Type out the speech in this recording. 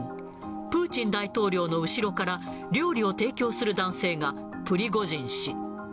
プーチン大統領の後ろから、料理を提供する男性がプリゴジン氏。